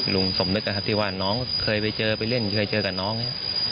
ลุงสมนึกนะครับที่ว่าน้องเคยไปเจอไปเล่นเคยเจอกับน้อง